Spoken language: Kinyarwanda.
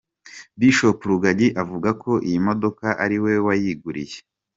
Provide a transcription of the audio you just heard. Bishop Rugagi avuga ko iyi modoka ari we wayiguriye.